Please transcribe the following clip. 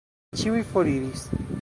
Ĉiuj foriris.